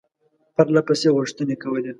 پرله پسې غوښتني کولې.